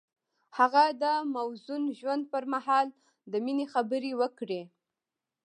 هغه د موزون ژوند پر مهال د مینې خبرې وکړې.